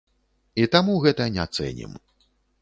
І таму гэта не цэнім.